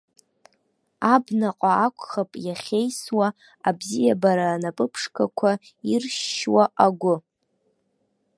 Абнаҟа акәхап иахьеисуа абзиабара анапы ԥшқақәа иршьшьуа агәы.